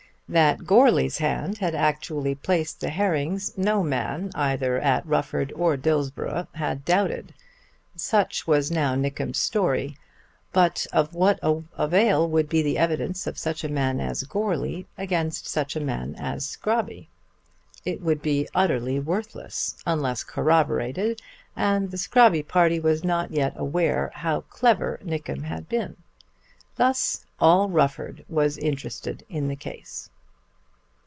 That Goarly's hand had actually placed the herrings no man either at Rufford or Dillsborough had doubted. Such was now Nickem's story. But of what avail would be the evidence of such a man as Goarly against such a man as Scrobby? It would be utterly worthless unless corroborated, and the Scrobby party was not yet aware how clever Nickem had been. Thus all Rufford was interested in the case.